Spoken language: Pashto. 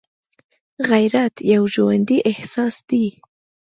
غیرت یو ژوندی احساس دی